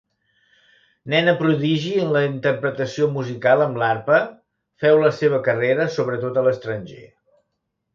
Nena prodigi en la interpretació musical amb l'arpa, féu la seva carrera sobretot a l'estranger.